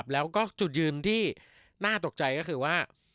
แล้วก็จุดยืนที่น่าตกใจก็คือว่า